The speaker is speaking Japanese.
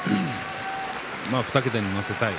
２桁に乗せたい。